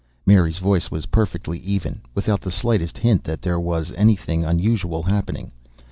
Mary's voice was perfectly even, without the slightest hint that there was anything unusual happening.